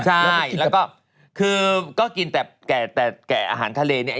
ใช่แล้วก็กินแต่แก่อาหารทะเลนี้